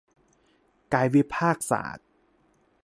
กายวิภาคศาสตร์